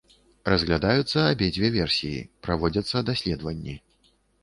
Разглядаюцца абедзве версіі, праводзяцца даследаванні.